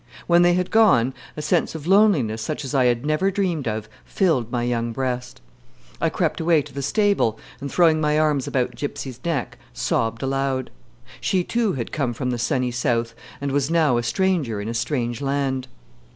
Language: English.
When they had gone, a sense of loneliness such as I had never dreamed of filled my young breast. I crept away to the stable, and, throwing my arms about Gypsy's neck, sobbed aloud. She too had come from the sunny South, and was now a stranger in a strange land.